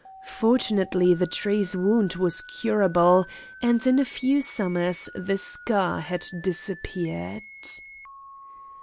Fortunately the tree's wound was curable, and in a few summers the scar had disappeared.